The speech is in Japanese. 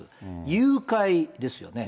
誘拐ですよね。